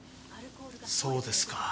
そうですか。